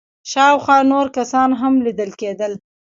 شاوخوا نور کسان هم ليدل کېدل.